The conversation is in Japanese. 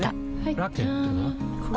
ラケットは？